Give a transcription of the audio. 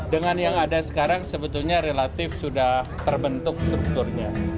dengan yang ada sekarang sebetulnya relatif sudah terbentuk strukturnya